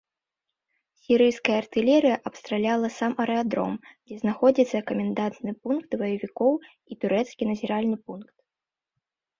Сірыйская артылерыя абстраляла сам аэрадром, дзе знаходзіцца камандны пункт баевікоў і турэцкі назіральны пункт.